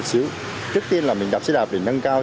bì con bỏ luôn đó